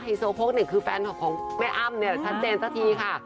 ไฮโซโภคนี่คือแฟนคลับของแม่อ้ำเนี่ยทันเตนสักทีค่ะ